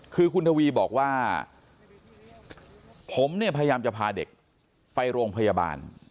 คือคุณทวีบอกว่าผมเนี่ยพยายามจะพาเด็กไปโรงพยาบาล